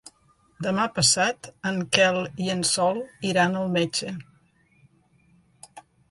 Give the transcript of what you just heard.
Demà passat en Quel i en Sol iran al metge.